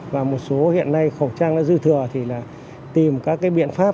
và một số hiện nay khẩu trang đã dư thừa thì là tìm các biện pháp